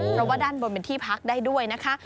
เพราะว่าด้านบนเป็นที่พักได้ด้วยนะคะ